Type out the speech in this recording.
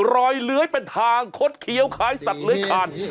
รอยเหลื้อเป็นทางคดเขียวขายสัตว์เหลื้อขาด